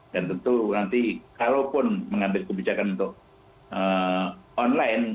dan tentu nanti kalaupun mengambil kebijakan untuk online